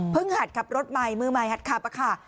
หัดขับรถใหม่มือใหม่หัดขับอะค่ะ